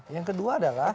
yang kedua adalah